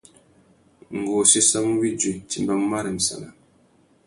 Ngú wô séssamú widuï ; nʼtimbamú marremsana.